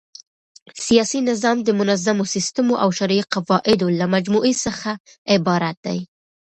سیاسي نظام د منظمو سيسټمو او شرعي قواعدو له مجموعې څخه عبارت دئ.